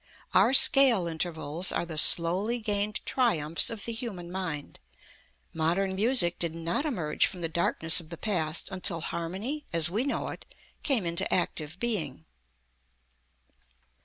Our scale intervals are the slowly gained triumphs of the human mind. Modern music did not emerge from the darkness of the past until harmony, as we know it, came into active being.